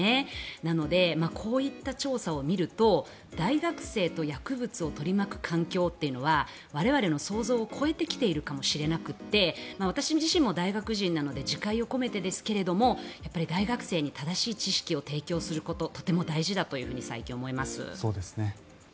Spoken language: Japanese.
なので、こういった調査を見ると大学生と薬物を取り巻く環境っていうのは我々の想像を超えてきているかもしれなくて私自身も大学人ですので自戒を込めてですが大学生に正しい知識を提供することとても大事だというふうに最近思います。